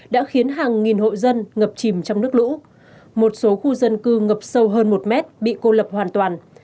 đã khiến hàng nghìn hội dân ngập chìm trong nước lũ một số khu dân cư ngập sâu hơn một mét bị cô lập hoàn toàn